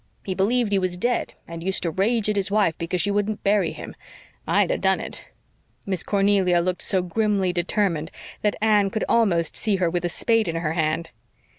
He believed he was dead and used to rage at his wife because she wouldn't bury him. I'd a done it." Miss Cornelia looked so grimly determined that Anne could almost see her with a spade in her hand.